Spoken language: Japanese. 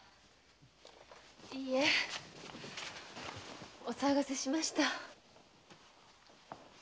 いいえお騒がせしました。